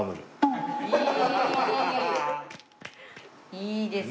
いいですよ。